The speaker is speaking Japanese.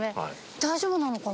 大丈夫なのかな？